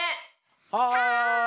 はい！